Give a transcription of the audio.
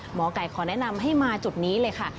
หมอไก่ขอแนะนำให้มาจุดนี้เลยค่ะ